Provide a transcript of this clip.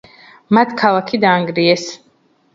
მათ ქალაქი დაანგრიეს.